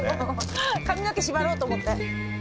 髪の毛縛ろうと思って。